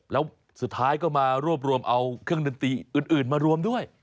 แล้วสุดท้ายก็มารวบรวมเอาเครื่องดนตรีอื่นมารวมด้วย